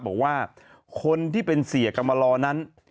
บอกว่าคนที่เป็นเสียกรรมลอนั้น